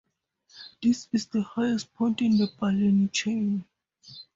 This is the highest point in the Balleny chain.